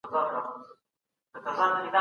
خرقې شریفې ته څنګه درناوی کيده؟